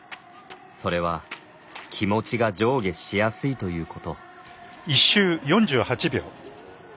それは気持ちが上下しやすいということ。